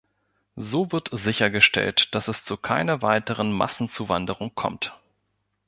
So wird sichergestellt, dass es zu keiner weiteren Massenzuwanderung kommt.